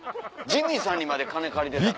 ジミーさんにまで金借りてた。